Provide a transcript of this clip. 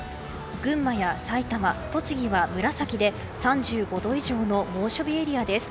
群馬や埼玉、栃木は紫で３５度以上の猛暑日エリアです。